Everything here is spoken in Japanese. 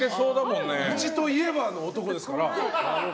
愚痴といえば、の人ですから。